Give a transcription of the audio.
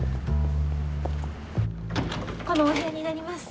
このお部屋になります。